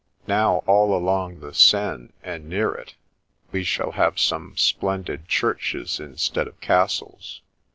Now, all along the Seine and near it, we shall have some splendid churches in stead of castles.